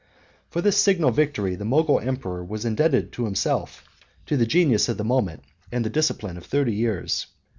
For this signal victory the Mogul emperor was indebted to himself, to the genius of the moment, and the discipline of thirty years.